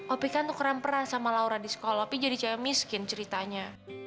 opi kan tukeran peran sama laura di sekolah opi jadi cewek miskin ceritanya